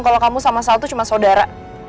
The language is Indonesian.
kalo kamu sama sal tuh cuma saudara